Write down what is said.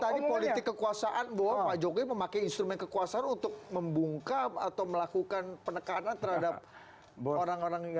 tadi politik kekuasaan bahwa pak jokowi memakai instrumen kekuasaan untuk membungkam atau melakukan penekanan terhadap orang orang yang